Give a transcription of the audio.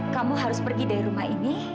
kamu harus pergi dari rumah ini